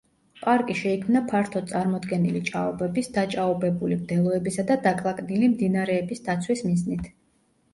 პარკი შეიქმნა ფართოდ წარმოდგენილი ჭაობების, დაჭაობებული მდელოებისა და დაკლაკნილი მდინარეების დაცვის მიზნით.